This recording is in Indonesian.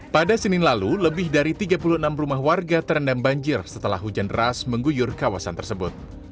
pada senin lalu lebih dari tiga puluh enam rumah warga terendam banjir setelah hujan deras mengguyur kawasan tersebut